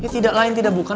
tidak lain tidak bukan